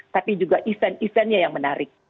tapi juga isen isennya yang menarik